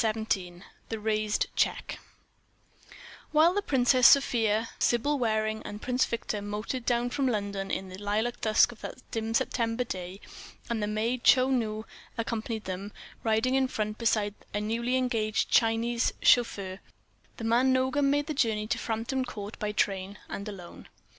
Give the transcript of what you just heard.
XVII THE RAISED CHEQUE While the Princess Sofia, Sybil Waring, and Prince Victor motored down from London in the lilac dusk of that dim September day, and the maid Chou Nu accompanied them, riding in front beside a newly engaged Chinese chauffeur, the man Nogam made the journey to Frampton Court by train, and alone.